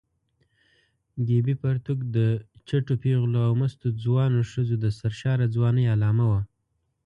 ګیبي پرتوګ د چټو پېغلو او مستو ځوانو ښځو د سرشاره ځوانۍ علامه وه.